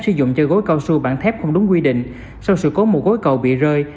sử dụng chơi gối cao su bản thép không đúng quy định sau sự cố một gối cầu bị rơi